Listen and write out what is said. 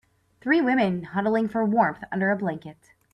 Three women huddling for warmth under a blanket.